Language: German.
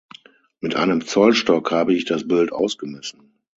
Mit einem Zollstock habe ich das Bild ausgemessen.